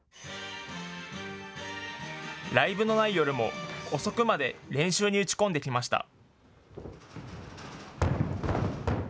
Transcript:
ライブのない夜も遅くまで練習に打ち込んできました。